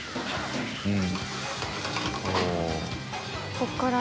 ここから。